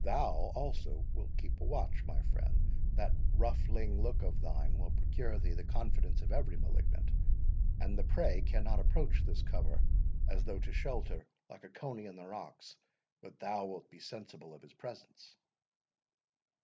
Thou also wilt keep a watch, my friend—that ruffling look of thine will procure thee the confidence of every malignant, and the prey cannot approach this cover, as though to shelter, like a coney in the rocks, but thou wilt be sensible of his presence."